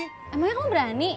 emangnya kamu berani